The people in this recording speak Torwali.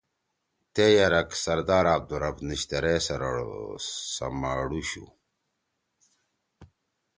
تے یرک سردار عبدالرب نشتر ئے سمَڑُوشُو